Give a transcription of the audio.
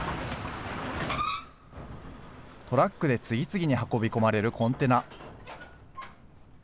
トラックで次々に運び込まれるコンテナ。